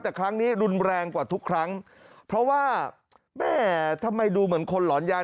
แต่ครั้งนี้รุนแรงกว่าทุกครั้งเพราะว่าแม่ทำไมดูเหมือนคนหลอนยาน